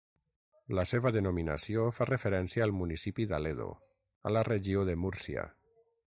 La seva denominació fa referència al municipi d'Aledo, a la Regió de Múrcia.